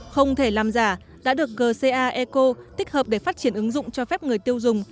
không thể làm giả đã được gcaeco tích hợp để phát triển ứng dụng cho phép người tiêu dùng